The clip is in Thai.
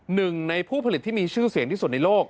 หนึ่งในผู้ผลิตที่มีชื่อเสียงที่สุดในโลก